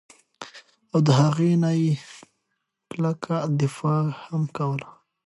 او د هغې نه ئي کلکه دفاع هم کوله